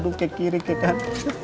aduh kek kiri kek kan